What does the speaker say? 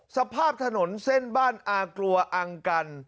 สภาพถนนเส้นบ้านอากลัวอังกัน